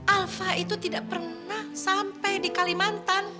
alpha itu tidak pernah sampai di kalimantan